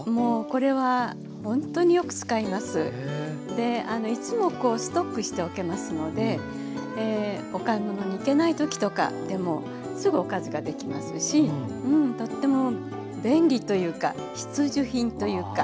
でいつもストックしておけますのでお買い物に行けない時とかでもすぐおかずができますしとっても便利というか必需品というか。